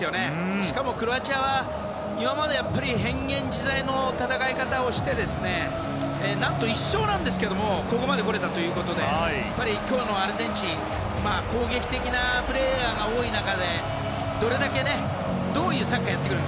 しかもクロアチアは今まで変幻自在の戦い方をして何と１勝なんですけれどもここまで来れたということで今日のアルゼンチン攻撃的なプレーヤーが多い中でどれだけ、どういうサッカーをやってくるか。